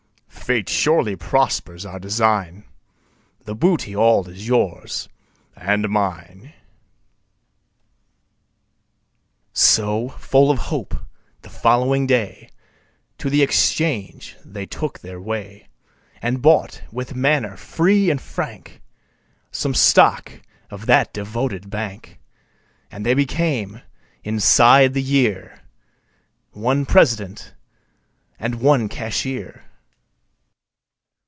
Fate surely prospers our design The booty all is yours and mine." So, full of hope, the following day To the exchange they took their way And bought, with manner free and frank, Some stock of that devoted bank; And they became, inside the year, One President and one Cashier.